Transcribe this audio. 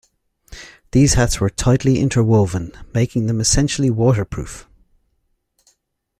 These hats were tightly interwoven, making them essentially waterproof.